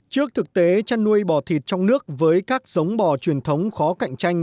trước thực tế chăn nuôi bò thịt trong nước với các giống bò truyền thống khó cạnh tranh